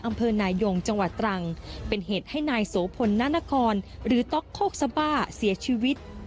อำเภอนายงจังหวัดตรังเป็นเหตุให้นายโสพลนานครหรือต๊อกโคกสบ้าเสียชีวิต